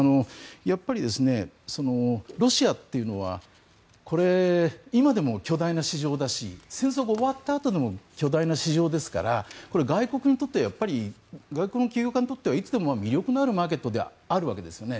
やっぱりロシアというのは今でも巨大な市場だし戦争が終わったあとでも巨大な市場ですから外国の起業家にとっては魅力のあるマーケットではあるわけですね。